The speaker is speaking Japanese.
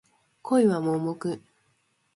恋は盲目